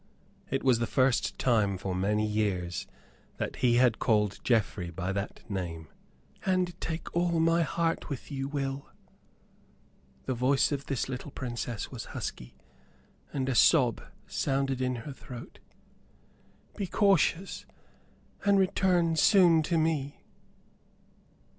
It was the first time for many years that he had called Geoffrey by that name. "And take all my heart with you, Will." The voice of this little Princess was husky; and a sob sounded in her throat. "Be cautious, and return soon to me."